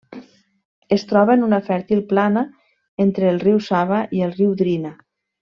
Es troba en una fèrtil plana entre el riu Sava i el riu Drina.